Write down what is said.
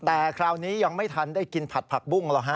แต่คราวนี้ยังไม่ทันได้กินผัดผักบุ้งหรอกฮะ